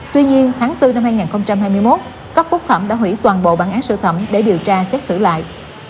tuy nhiên tháng bốn năm hai nghìn hai mươi một cấp phúc thẩm đã hủy toàn bộ bản án sơ thẩm để điều tra xét xử lại